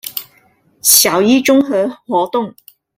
小一綜合活動